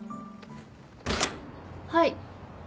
はい。